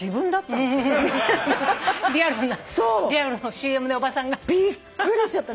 ＣＭでおばさんが。びっくりしちゃった。